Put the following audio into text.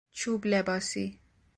چوب لباسی